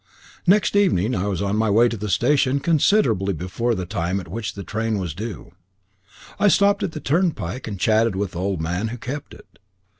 Next evening I was on my way to the station considerably before the time at which the train was due. I stopped at the turnpike and chatted with the old man who kept it.